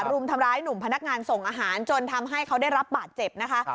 รุมทำร้ายหนุ่มพนักงานส่งอาหารจนทำให้เขาได้รับบาดเจ็บนะคะ